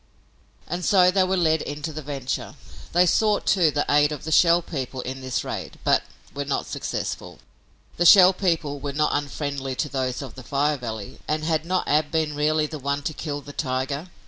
And so they were led into the venture. They sought, too, the aid of the Shell People in this raid, but were not successful. The Shell People were not unfriendly to those of the Fire Valley, and had not Ab been really the one to kill the tiger?